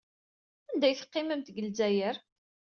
And ay teqqimemt deg Lezzayer?